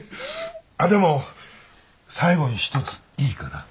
あっでも最後に一ついいかな？